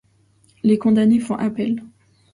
Les condamnés font appel.